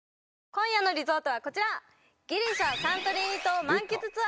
今夜のリゾートはこちら！